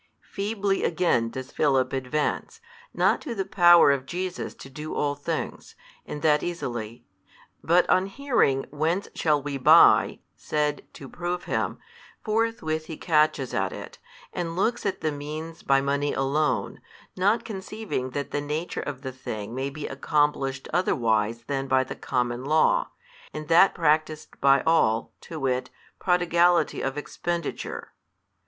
Feebly again does Philip advance, not to the power of Jesus to do all things, and that easily, but on hearing Whence shall we buy said to prove him, forthwith he catches at it, and looks at the means by money alone, not conceiving that the nature of the thing may be accomplished otherwise than by the common law, and that practised by all, to wit, prodigality of expenditure.